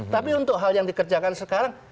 tapi untuk hal yang dikerjakan sekarang